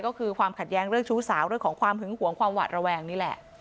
ก็คือความขัดแย้งเรื่องชู้สาวเรื่องของความหึงหวงความหวาดระแวงนี่แหละ